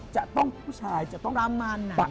จะต้องผู้ชายจะต้องรำมัน